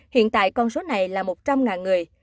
hiện tại con số này là một trăm linh người